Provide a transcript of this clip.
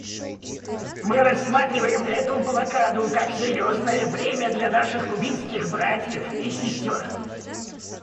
Мы рассматриваем эту блокаду как серьезное бремя для наших кубинских братьев и сестер.